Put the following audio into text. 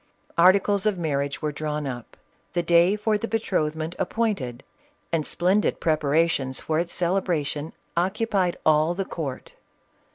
Articles of marriage were drawn up ; the day for the betrothment appointed, and splendid preparations for its celebration occupied all the court.